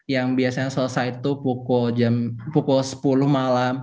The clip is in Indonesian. yang biasanya selesai itu pukul sepuluh malam